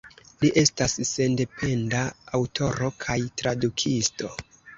Li estas sendependa aŭtoro kaj tradukisto.